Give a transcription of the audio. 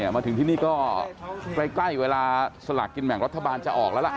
มาถึงที่นี่ก็ใกล้เวลาสลากกินแบ่งรัฐบาลจะออกแล้วล่ะ